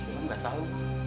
aku nggak tahu